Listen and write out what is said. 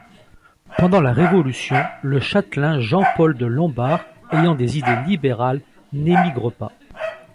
Pendant la Révolution, le châtelain, Jean-Paul de Lombard, ayant des idées libérales, n'émigre pas.